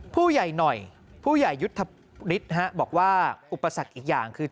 ผู้ใหญ่หน่อยผู้ใหญ่ยุทธฤทธิ์บอกว่าอุปสรรคอีกอย่างคือ